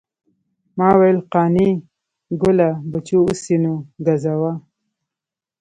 ما ویل قانع ګله بچو اوس یې نو ګزوه.